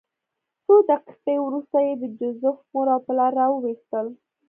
څو دقیقې وروسته یې د جوزف مور او پلار راوویستل